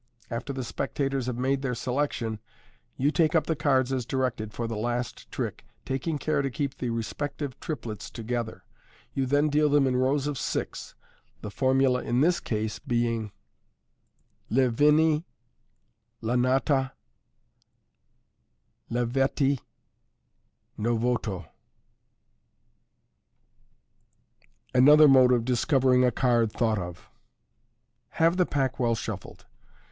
After the spectators have made their selection, yon take up the cards as directed for the last trick, taking care to keep the respective triplets together. Yon then deal them in rows of six, the formula in this case being : L I V I N I L A N A T A L E V E T E N 0 V 0 T 0 Another Modb of Discovering a Card Thought of. — Have the pack well shuffled.